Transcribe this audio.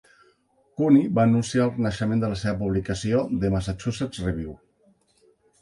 Cooney va anunciar el renaixement de la seva publicació a "The Massachusetts Review".